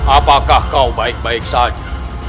apakah kau baik baik saja